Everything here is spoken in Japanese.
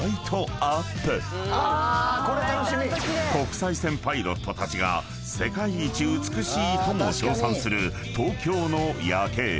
［国際線パイロットたちが世界一美しいとも称賛する東京の夜景］